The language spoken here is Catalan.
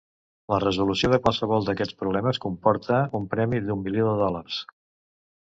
La resolució de qualsevol d'aquests problemes comporta un premi d'un milió de dòlars.